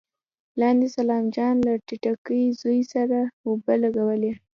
لاندې سلام جان له ټيټکي زوی سره اوبه لګولې.